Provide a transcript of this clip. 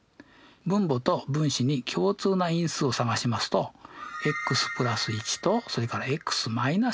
分母と分子に共通な因数を探しますとｘ＋１とそれからｘ−２ですよね。